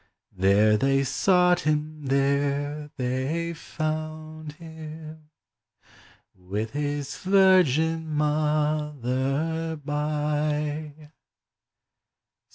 There they sought him, there they found him, With his Virgin Mother by.